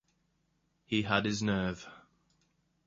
He had his nerve.